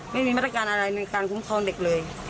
ไม่มีมาตรการอะไรในการคุ้มครองเด็กเลย